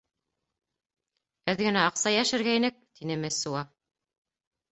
— Әҙ генә аҡса йәшергәйнек, — тине Мессуа.